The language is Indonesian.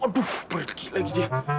aduh pergi lagi dia